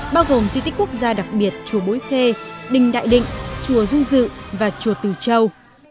bao gồm di tích quốc gia đặc biệt chùa bối khê đình đại định chùa du dự và chùa từ châu